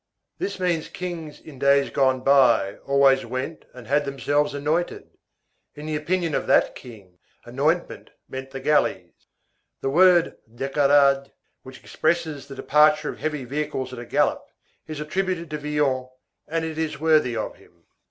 This means Kings in days gone by always went and had themselves anointed. In the opinion of that king, anointment meant the galleys. The word décarade, which expresses the departure of heavy vehicles at a gallop, is attributed to Villon, and it is worthy of him.